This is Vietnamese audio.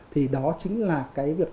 thì đó chính là cái việc